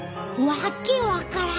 わけ分かれへん。